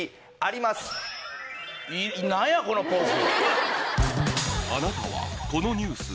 何やこのポーズ。